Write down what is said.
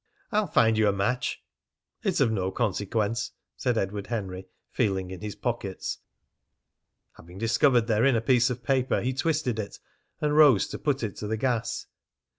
"I'll find you a match." "It's of no consequence," said Edward Henry, feeling in his pockets. Having discovered therein a piece of paper, he twisted it and rose to put it to the gas.